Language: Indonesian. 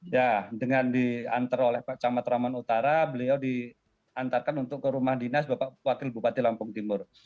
ya dengan diantar oleh pak camat raman utara beliau diantarkan untuk ke rumah dinas bapak wakil bupati lampung timur